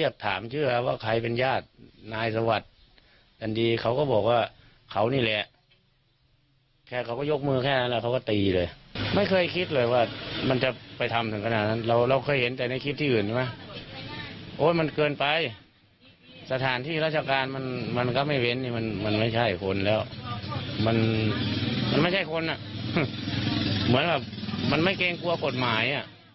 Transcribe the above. เพราะมันก็แสบอย่างไกลใช่ไหมเพราะมันไม่เหมือนแบบไม่เกรงกลัวกับกฎหมาย